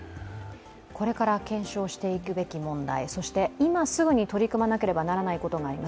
これから検証していくべき問題、そして今すぐに取り組まなければいけないことがあります。